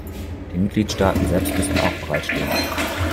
Die Mitgliedstaaten selbst müssen auch bereitstehen.